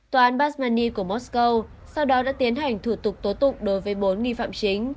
tòa an basmany của moscow sau đó đã tiến hành thủ tục tố tục đối với bốn nghị phạm chính